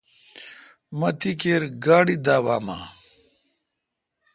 مہ تی کیر گاڑی داوام اؘ۔